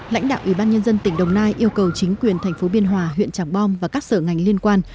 lãnh đạo ủy ban nhân dân tỉnh đồng nai yêu cầu chính quyền thành phố biên hòa huyện tràng bom và các sở ngành liên quan